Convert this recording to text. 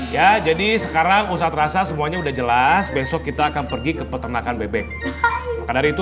ya jadi sekarang ustadz rasa semuanya udah jelas besok kita akan pergi ke peternakan bebek maka dari itu